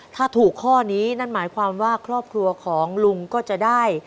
ถ้าถูกข้อนี้นั่นหมายความว่าครอบครัวของลุงก็จะได้